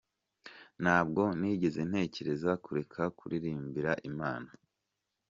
Ntabwo nigeze ntekereza kureka kuririmbira Imana.